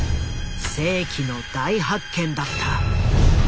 世紀の大発見だった。